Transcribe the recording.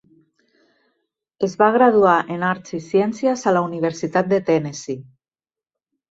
Es va graduar en Arts i Ciències a la Universitat de Tennessee.